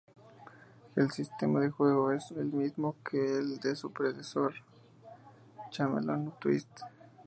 El sistema de juego es el mismo que el de su predecesor, Chameleon Twist.